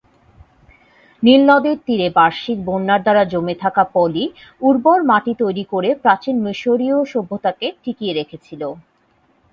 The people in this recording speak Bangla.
নীলনদের তীরে বার্ষিক বন্যার দ্বারা জমে থাকা পলি উর্বর মাটি তৈরি করে প্রাচীন মিশরীয় সভ্যতাকে টিকিয়ে রেখেছিল।